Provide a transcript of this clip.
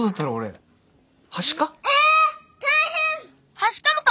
はしかもか？